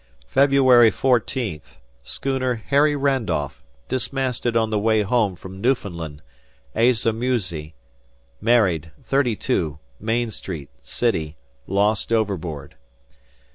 "February 14th. Schooner Harry Randolph dismasted on the way home from Newfoundland; Asa Musie, married, 32, Main Street, City, lost overboard.